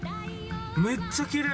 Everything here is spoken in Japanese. めっちゃきれい！